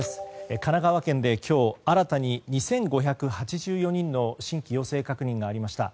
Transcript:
神奈川県で今日、新たに２５８４人の新規陽性確認がありました。